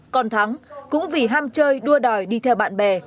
còn thắng cũng vì ham chơi đua đòi đi theo bạn bè